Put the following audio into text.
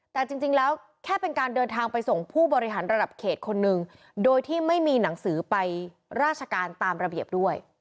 แต่จริงแล้วแค่เป็นการเดินทางไปส่งผู้บริหารระดับเขตคนนึงโดยที่ไม่มีหนังสือไปราชการตามระเบียบด้วย